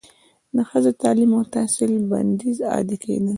د ښځو تعلیم او تحصیل بندیز عادي کیدل